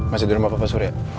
masih di rumah bapak surya